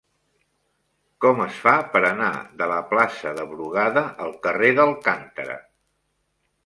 Com es fa per anar de la plaça de Brugada al carrer d'Alcántara?